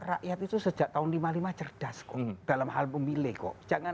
rakyat itu sejak tahun seribu sembilan ratus lima puluh lima cerdas kok dalam hal pemilih kok